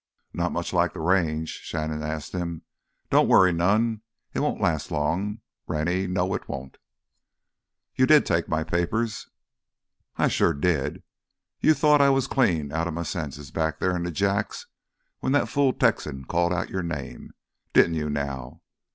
"Not much like th' Range?" Shannon asked him. "Don't worry none—it won't last long, Rennie, no, it won't!" "You did take my papers." "I sure did! You thought I was clean outta m' senses back there in th' Jacks when that fool Texan called out your name—didn't you now?